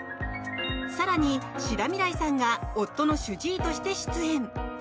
更に志田未来さんが夫の主治医として出演。